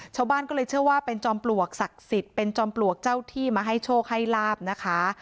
ชาวบ้านก็เลยเชื่อว่าเป็นจอมปลวกศักดิ์สิทธิ์เป็นจอมปลวกเจ้าที่มาให้โชคให้ลาบนะคะ